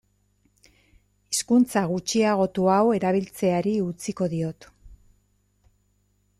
Hizkuntza gutxiagotu hau erabiltzeari utziko diot.